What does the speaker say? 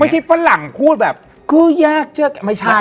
ไม่ใช่ฝรั่งพูดแบบกูอยากเจอแก้ว